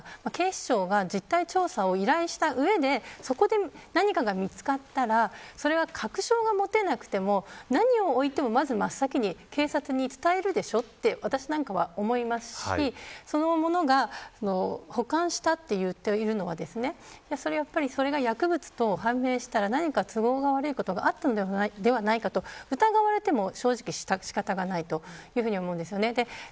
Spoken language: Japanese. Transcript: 警視庁が実態調査を依頼した上でそこで何かが見つかったら確証が持てなくても何をおいてもまず真っ先に警察に伝えるでしょと私なんかは思いますし保管したと言っているのは薬物と判明したら何か都合が悪いことがあったのではないかと疑われても正直仕方がないと思います。